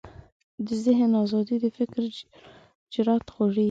د ذهن ازادي د فکر جرئت غواړي.